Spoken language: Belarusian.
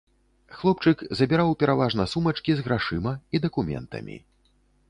Хлопчык забіраў пераважна сумачкі з грашыма і дакументамі.